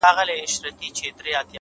• افغانان غواړي په یوه لوی پارک کي ,